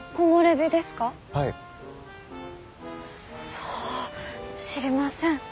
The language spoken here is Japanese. さあ知りません。